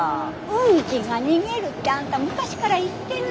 運気が逃げるってあんた昔から言ってるでしょ？